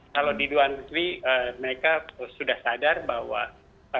kalau di luar negeri mereka sudah sadar bahwa